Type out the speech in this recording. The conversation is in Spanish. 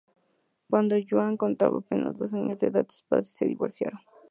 Cuando Joan contaba apenas dos años de edad, sus padres se divorciaron.